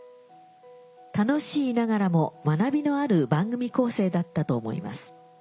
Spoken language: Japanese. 楽しいながらも学びのある番組構成だったと思います。